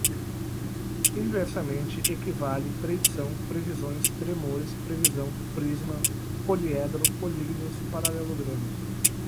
inversamente, equivale, predição, previsões, tremores, previsão, prisma, poliedro, políginos, paralelogramos